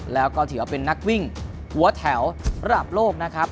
แล้วก็ถือว่าเป็นนักวิ่งหัวแถวระดับโลกนะครับ